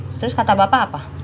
terus kata bapak apa